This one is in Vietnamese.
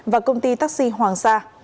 và công ty taxi hoàng sa